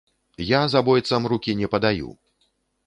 Я забойцам рукі не падаю.